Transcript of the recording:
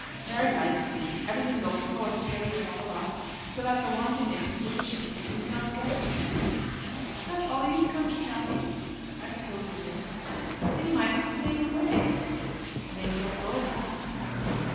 "Very likely. Everything goes so astray with all of us, so that the wanting it is sufficient reason for not getting it." "Is that all you have come to tell me?" "I suppose it is." "Then you might have stayed away." "I may as well go, perhaps."